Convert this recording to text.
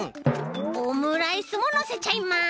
オムライスものせちゃいます。